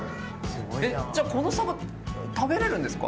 えっじゃこのサバ食べれるんですか？